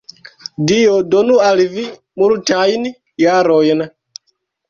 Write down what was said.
Dio donu al vi multajn jarojn!